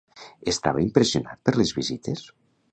Estava impressionat per les vistes?